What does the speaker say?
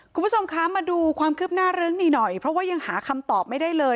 คุณผู้ชมคะมาดูความคืบหน้าเรื่องนี้หน่อยเพราะว่ายังหาคำตอบไม่ได้เลย